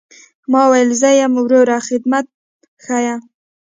ما وويل زه يم وروه خدمت ښييه.